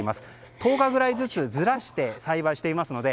１０日くらいずつずらして栽培していますので